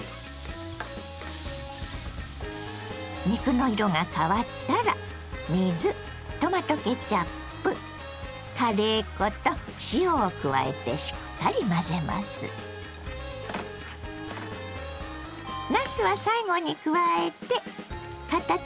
肉の色が変わったら水トマトケチャップカレー粉と塩を加えてしっかり混ぜます。